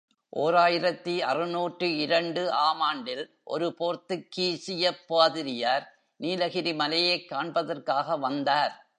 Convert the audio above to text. ஓர் ஆயிரத்து அறுநூற்று இரண்டு ஆம் ஆண்டில் ஒரு போர்த்துகீசியப் பாதிரியார், நீலகிரி மலையைக் காண்பதற்காக வந்தார்.